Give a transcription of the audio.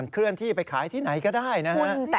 เคลื่อนที่ไปขายที่ไหนก็ได้นะฮะ